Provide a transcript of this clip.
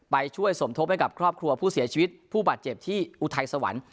ไปช่วยสมทบให้กับครอบครัวผู้เสียชีวิตผู้บาดเจ็บที่อุทัยสวรรค์